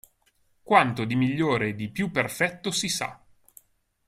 Quanto di migliore e di più perfetto si sa.